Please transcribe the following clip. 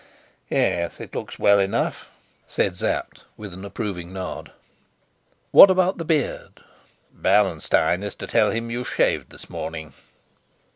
"Yes, it looks well enough," said Sapt, with an approving nod. "What about the beard?" "Bernenstein is to tell him you've shaved this morning."